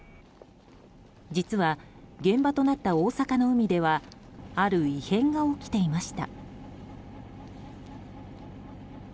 実は、現場となった大阪の海ではある異変が起きていました。